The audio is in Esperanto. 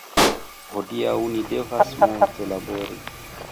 Hodiaŭ ni devas multe labori